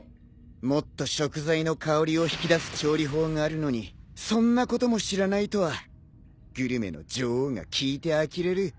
もっと食材の香りを引き出す調理法があるのにそんなことも知らないとはグルメの女王が聞いてあきれる。